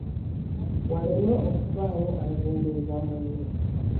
Waleme okubaawo alengezza munne.